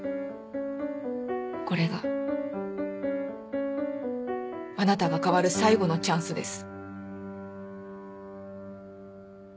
これがあなたが変わる最後のチャンスです。